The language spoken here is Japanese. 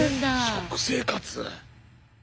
食生活！？